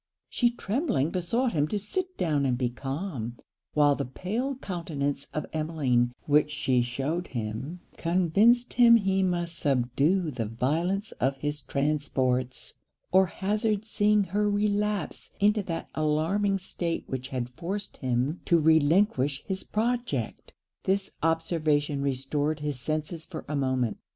She tremblingly besought him to sit down and be calm; while the pale countenance of Emmeline which she shewed him, convinced him he must subdue the violence of his transports, or hazard seeing her relapse into that alarming state which had forced him to relinquish his project. This observation restored his senses for a moment.